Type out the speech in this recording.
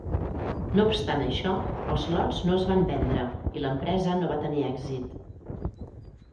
No obstant això, els lots no es van vendre i l'empresa no va tenir èxit.